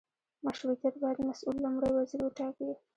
مشروطیت باید مسوول لومړی وزیر وټاکي.